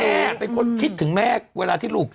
แม่เป็นคนคิดถึงแม่เวลาที่ลูก